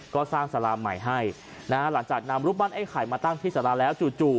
ก็สร้างสาราใหม่ให้นะฮะหลังจากนำรูปปั้นไอ้ไข่มาตั้งที่สาราแล้วจู่